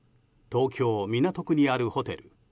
東京・港区にあるホテル。